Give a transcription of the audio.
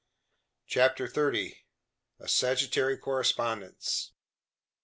CHAPTER THIRTY. A SAGITTARY CORRESPONDENCE.